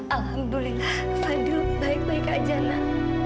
alhamdulillah fadil baik baik aja nah